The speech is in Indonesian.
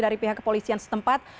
dari pihak kepolisian setempat